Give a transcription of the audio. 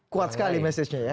kuat sekali message nya ya